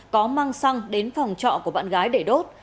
có mang xăng đến phòng trọ của bạn gái để đốt